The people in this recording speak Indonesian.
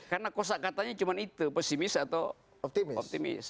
karena kosa katanya cuma itu pesimis atau optimis